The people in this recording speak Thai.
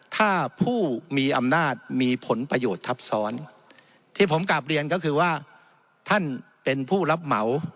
ถ้าผู้มีอำนาจมีผลประโยชน์ทับซ้อนที่ผมกลับเรียนก็คือว่าท่านเป็นผู้รับเหมา